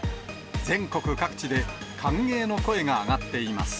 全国各地で、歓迎の声が上がっています。